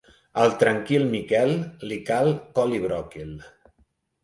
Al tranquil Miquel li cal col i bròquil.